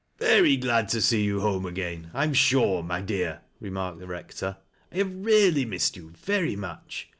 " Very glad to see you home again, I am sure, mj dear " remarked the Eector. " I have really missed yoi very much.